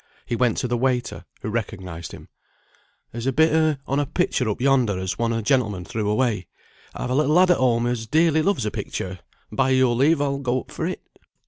He went to the waiter, who recognised him. "There's a bit on a picture up yonder, as one o' the gentlemen threw away; I've a little lad at home as dearly loves a picture; by your leave I'll go up for it."